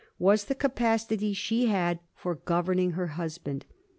was the capacity she had for governing her husband.